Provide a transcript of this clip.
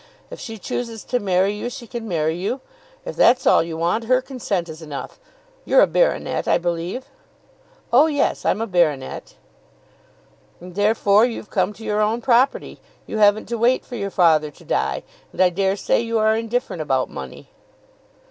If she chooses to marry you, she can marry you. If that's all you want, her consent is enough. You're a baronet, I believe?" "Oh, yes, I'm a baronet." "And therefore you've come to your own property. You haven't to wait for your father to die, and I dare say you are indifferent about money."